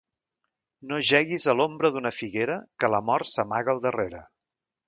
No jeguis a l'ombra d'una figuera, que la mort s'amaga al darrere.